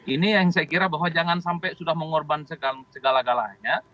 ini yang saya kira bahwa jangan sampai sudah mengorban segala galanya